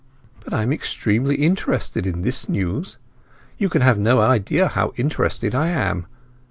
But I am extremely interested in this news—you can have no idea how interested I am!